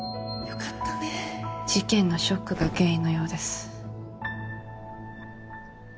よかったね事件のショックが原因のようです。